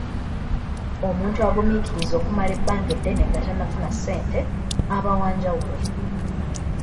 Omuntu agumiikiriza okumala ebbanga eddene nga tafuna ssente aba wanjawulo.